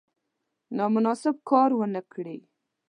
نامناسب کار ونه کړي.